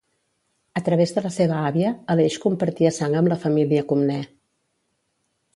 A través de la seva àvia, Aleix compartia sang amb la família Comnè.